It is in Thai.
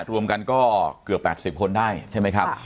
รวมกันก็เกือบ๘๐คนได้ใช่ไหมครับ